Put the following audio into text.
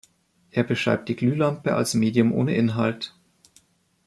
Er beschreibt die Glühlampe als Medium ohne Inhalt.